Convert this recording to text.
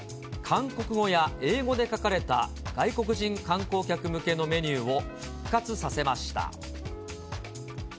韓国語や英語で書かれた外国人観光客向けのメニューを復活させました。